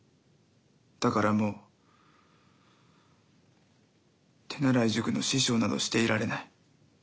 だからもう手習い塾の師匠などしていられない。